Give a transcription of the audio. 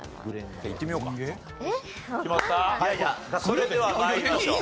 それでは参りましょう。